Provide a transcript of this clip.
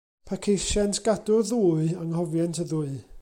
Pe ceisient gadw'r ddwy, anghofient y ddwy.